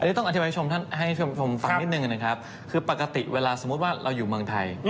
ต้องอธิบายให้ชมท่านให้ชมฟังนิดนึงนะครับคือปกติเวลาสมมุติว่าเราอยู่เมืองไทย